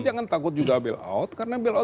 jangan takut juga bailout karena bailout